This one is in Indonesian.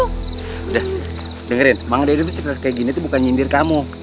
udah dengerin mang deden tuh cerita kayak gini bukan nyindir kamu